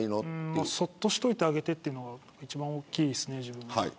そっとしておいてあげてというのが一番大きいです。